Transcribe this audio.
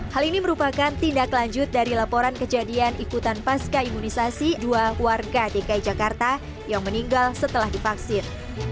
hal ini merupakan tindak lanjut dari laporan kejadian ikutan pasca imunisasi dua warga dki jakarta yang meninggal setelah divaksin